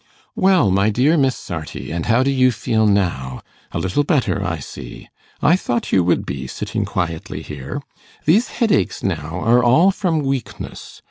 'Well, my dear Miss Sarti, and how do you feel now? a little better, I see. I thought you would be, sitting quietly here. These headaches, now, are all from weakness.